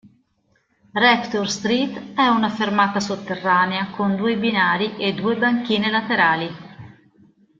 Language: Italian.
Rector Street è una fermata sotterranea con due binari e due banchine laterali.